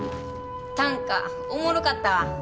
短歌おもろかったわ。